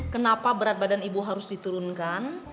kenapa berat badan ibu harus diturunkan